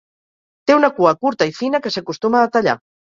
Té una cua curta i fina que s'acostuma a tallar.